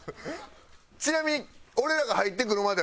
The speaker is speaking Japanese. ちなみに俺らが入ってくるまでは気付いてた？